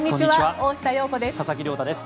大下容子です。